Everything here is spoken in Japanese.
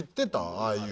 ああいう。